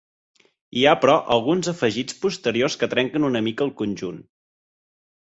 Hi ha, però, alguns afegits posteriors que trenquen una mica el conjunt.